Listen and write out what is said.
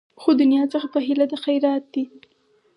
خو دنیا څخه په هیله د خیرات دي